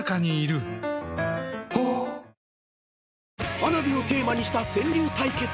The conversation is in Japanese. ［花火をテーマにした川柳対決。